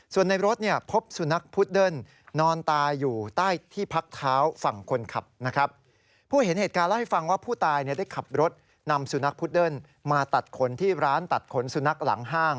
ส่วนในรถพบสุนัขพุฤดิล